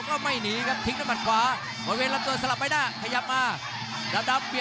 โอ้โหทีดูแก่เค้นไม่นานครับ